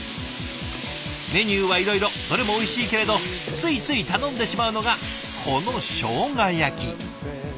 メニューはいろいろどれもおいしいけれどついつい頼んでしまうのがこのしょうが焼き。